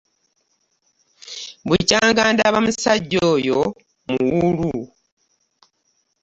Bukyanga ndaba musajja oyo muwuulu.